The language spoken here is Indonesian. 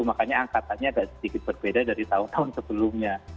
makanya angkatannya agak sedikit berbeda dari tahun tahun sebelumnya